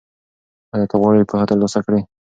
ایا ته غواړې پوهه ترلاسه کړې؟